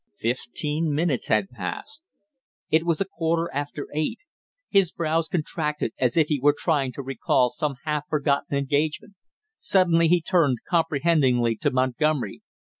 Fifteen minutes had passed. It was a quarter after eight. His brows contracted as if he were trying to recall some half forgotten engagement. Suddenly he turned, comprehendingly, to Montgomery.